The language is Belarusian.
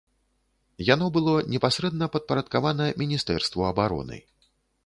Яно было непасрэдна падпарадкавана міністэрству абароны.